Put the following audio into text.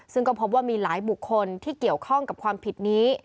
ซึ่งก็พบว่ามีหลายบุคคลที่เกี่ยวข้องกับความผิดนี้